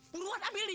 buruan ambil nih